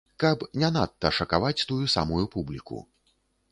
Каб не надта шакаваць тую самую публіку.